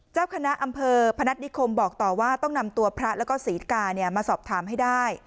เจ้าคณะอำเภอพนัฐนิคมบอกต่อว่าต้องนำตัวพระแล้วก็ศรีกามาสอบถามให้ได้